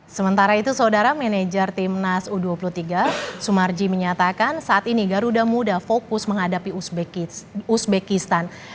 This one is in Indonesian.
sementara itu saudara manajer timnas u dua puluh tiga sumarji menyatakan saat ini garuda muda fokus menghadapi uzbekistan